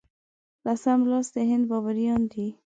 لسم لوست د هند بابریان دي.